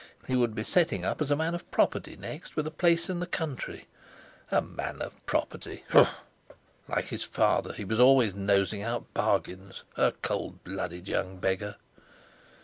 He would be setting up as a man of property next, with a place in the country! A man of property! H'mph! Like his father, he was always nosing out bargains, a cold blooded young beggar!